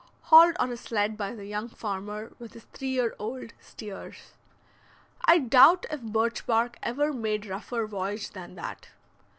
hauled on a sled by the young farmer with his three year old steers. I doubt if birch bark ever made rougher voyage than that.